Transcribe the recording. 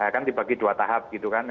kan dibagi dua tahap gitu kan